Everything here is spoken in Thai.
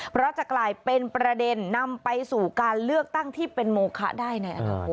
เพราะจะกลายเป็นประเด็นนำไปสู่การเลือกตั้งที่เป็นโมคะได้ในอนาคต